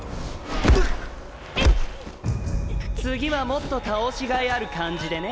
次はもっと倒しがいある感じでね！